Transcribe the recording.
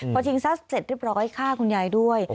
พอชิงทรัพย์เสร็จเรียบร้อยฆ่าคุณยายด้วย